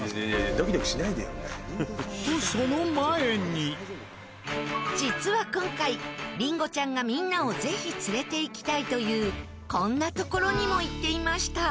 「ドキドキしないでよ」実は今回りんごちゃんがみんなをぜひ連れていきたいというこんな所にも行っていました。